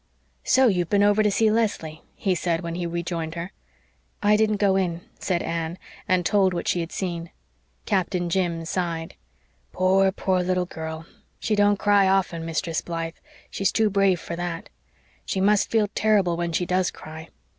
"So you've been over to see Leslie," he said, when he rejoined her. "I didn't go in," said Anne, and told what she had seen. Captain Jim sighed. "Poor, poor, little girl! She don't cry often, Mistress Blythe she's too brave for that. She must feel terrible when she does cry.